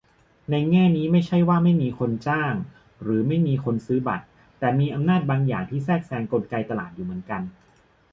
ในแง่นี้ ไม่ใช่ว่าไม่มีคนจ้าง หรือไม่มีคนซื้อบัตร แต่มีอำนาจบางอย่างที่แทรกแซงกลไกตลาดอยู่เหมือนกัน